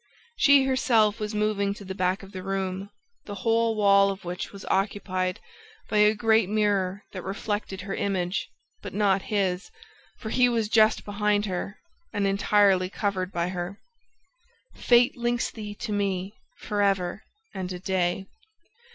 She herself was moving to the back of the room, the whole wall of which was occupied by a great mirror that reflected her image, but not his, for he was just behind her and entirely covered by her. "Fate links thee to me for ever and a day!"